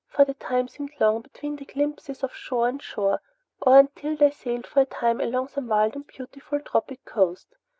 For the time seemed long between glimpses of shore and shore, or until they sailed for a time along some wild and beautiful tropic coast.